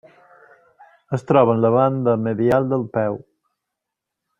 Es troba en la banda medial del peu.